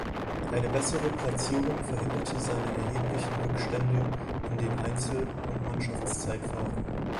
Eine bessere Platzierung verhinderte seine erheblichen Rückstände in den Einzel- und Mannschaftszeitfahren.